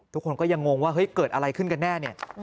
ทุกคนก็ยังงงว่าเฮ้ยเกิดอะไรขึ้นกันแน่เนี่ย